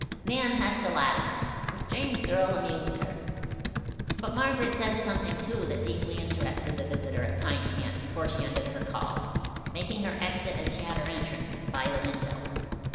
Nan had to laugh. The strange girl amused her. But Margaret said something, too, that deeply interested the visitor at Pine Camp before she ended her call, making her exit as she had her entrance, by the window.